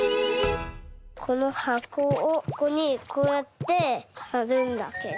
このはこをここにこうやってはるんだけど。